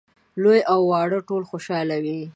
لوی او واړه ټول خوشاله وي.